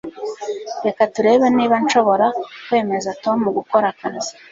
Reka turebe niba nshobora kwemeza Tom gukora akazi